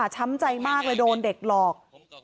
ช้ำใจมากเลยโดนเด็กหลอก